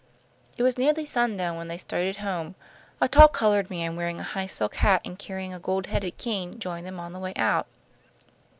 It was nearly sundown when they started home. A tall coloured man, wearing a high silk hat and carrying a gold headed cane, joined them on the way out.